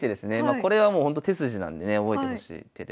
これはもうほんと手筋なんでね覚えてほしい手で。